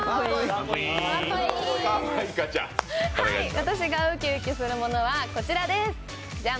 私がウキウキするものはこちらです。